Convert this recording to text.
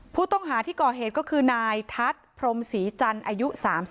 ผู้ต้องหาที่ก่อเหตุก็คือนายทัศน์พรมศรีจันทร์อายุ๓๒